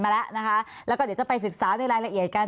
มาแล้วนะคะแล้วก็เดี๋ยวจะไปศึกษาในรายละเอียดกัน